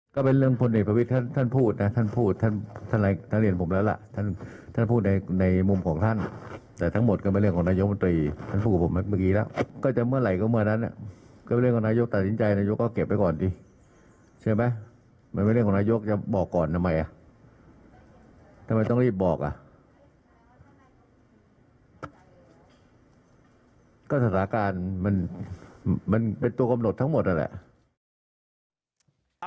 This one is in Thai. ก็สถานการณ์มันเป็นตัวกำหนดทั้งหมดนั่นแหละ